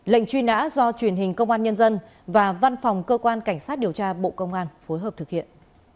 lệnh truy nã do truyền hình công an nhân dân và văn phòng cơ quan cảnh sát điều tra bộ công an phối hợp thực hiện